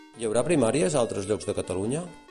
Hi haurà primàries a altres llocs de Catalunya?